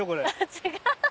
違う。